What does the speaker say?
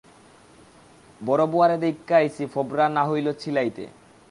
বড় বুয়ারে দেইক্কা আইছি ফোবরা না'হইল ছিলাইতে।